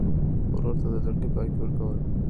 ورور ته د زړګي پاکي ورکوې.